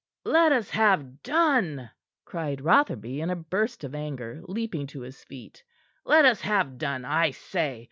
"Let us have done," cried Rotherby in a burst of anger, leaping to his feet. "Let us have done, I say!